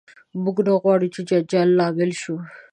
موږ نه غواړو چې د جنجال لامل شو.